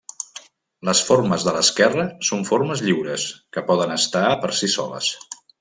Les formes de l'esquerra són formes lliures, que poden estar per si soles.